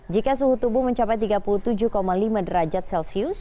jika suhu tubuh mencapai tiga puluh tujuh lima derajat celcius